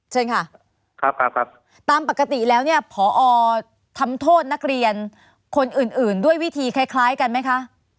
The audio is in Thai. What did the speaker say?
เชิญค่ะครับตามปกติแล้วเนี่ยพอทำโทษนักเรียนคนอื่นอื่นด้วยวิธีคล้ายคล้ายกันไหมคะ